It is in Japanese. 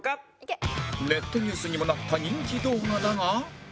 ネットニュースにもなった人気動画だが